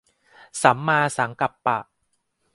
สัมมาสังกัปปะ